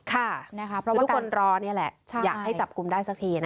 ค่ะทุกคนรอนี่แหละอยากให้จับกลมได้สักทีนะคะ